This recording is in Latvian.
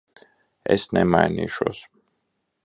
Es nemainīšos.